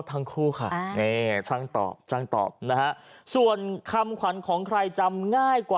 แต่ก็เขาบอกว่าอยากจะฝากบอกลุงตู่ว่าสู้ด้วย